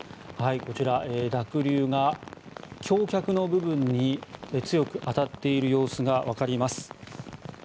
こちら、濁流が橋脚の部分に強く当たっている様子がわかります。